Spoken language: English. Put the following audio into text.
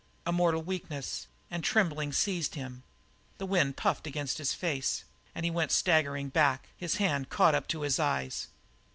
A mortal weakness and trembling seized him. The wind puffed against his face, and he went staggering back, his hand caught up to his eyes.